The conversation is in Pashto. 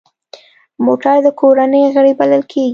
موټر د کورنۍ غړی بلل کېږي.